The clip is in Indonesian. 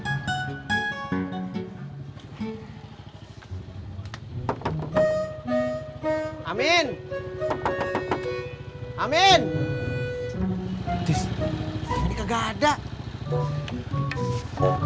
saya kan pm en angkat perhubungan tak rapper